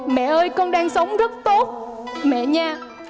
mẹ ơi con đang sống rất tốt mẹ nha